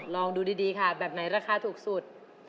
ลองดูดีค่ะแบบไหนราคาถูกสุด